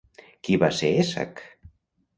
Qui va ser Èsac?